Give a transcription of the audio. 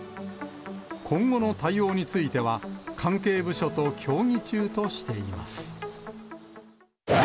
今後の対応については、関係部署と協議中としています。